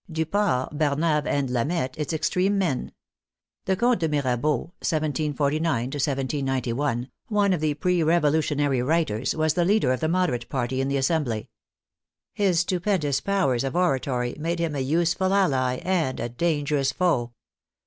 Duport, Barnave, and Lameth its extreme men. The Comte de Mirabeau (1749 1791), one of the pre revolu tionary writers, was the leader of the Moderate party in the Assembly. His stupendous powers of oratory made him a useful ally and a dangerous foe.